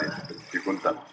di sungai cikunten